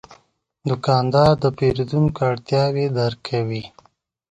دوکاندار د پیرودونکو اړتیاوې درک کوي.